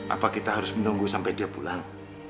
apa kita harus menunggu sampai dia pulang